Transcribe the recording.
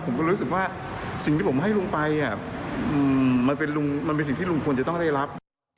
ผมก็รู้สึกว่าสิ่งที่ผมให้ลุงไปมันเป็นสิ่งที่ลุงพลจะต้องได้รับ